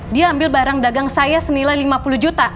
dia ambil barang dagang saya senilai lima puluh juta